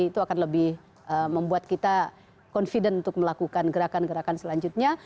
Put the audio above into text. itu akan lebih membuat kita confident untuk melakukan gerakan gerakan selanjutnya